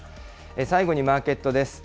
最後にマーケットです。